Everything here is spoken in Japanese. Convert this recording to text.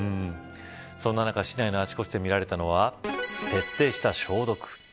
そんな中、市内のあちこちで見られたのは徹底した消毒。